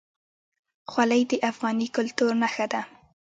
خولۍ د افغاني کلتور نښه ده.